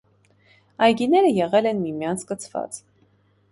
Այգիները եղել են միմյանց կցված։